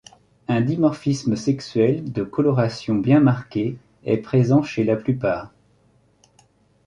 Un dimorphisme sexuel de coloration bien marqué est présent chez la plupart.